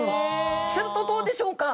するとどうでしょうか。